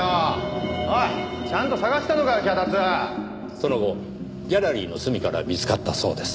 その後ギャラリーの隅から見つかったそうです。